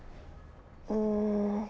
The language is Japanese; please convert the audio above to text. うん。